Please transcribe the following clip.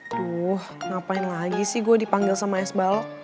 aduh ngapain lagi sih gue dipanggil sama s balok